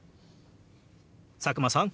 佐久間さん